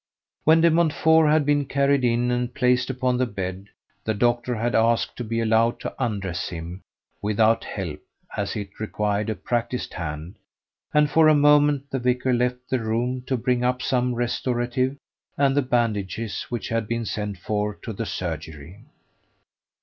When De Montfort had been carried in and placed upon the bed the doctor had asked to be allowed to undress him without help as it required a practised hand, and for a moment the vicar left the room to bring up some restorative and the bandages which had been sent for to the surgery.